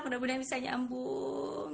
mudah mudahan bisa nyambung